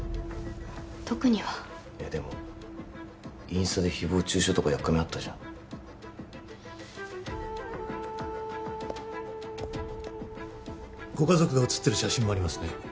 特にはえでもインスタで誹謗中傷とかやっかみあったじゃんご家族が写ってる写真もありますね